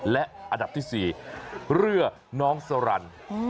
และอันดับที่๔เรือน้องสรร